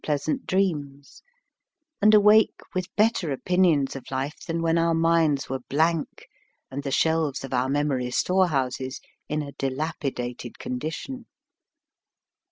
85 some pleasant dreams, and awake with better opinions of life than when our minds were blank and the shelves of our memories' storehouses in a di lapitated condition.